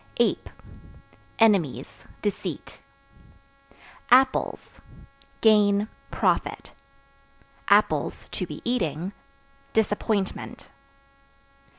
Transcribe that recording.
Ape Enemies, deceit. Apples Gain, profit; (to be eating) disappointment.